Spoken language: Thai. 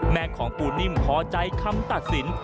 แม่ของปูนิ่มพอใจคำตัดสิน